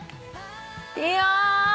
いや。